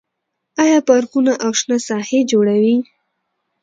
آیا پارکونه او شنه ساحې جوړوي؟